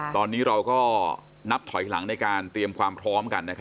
ตอนนี้เราก็นับถอยหลังในการเตรียมความพร้อมกัน